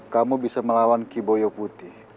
kamu bisa melawan kiboyo putih